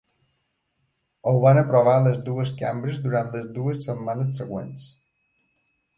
Ho van aprovar les dues cambres durant les dues setmanes següents.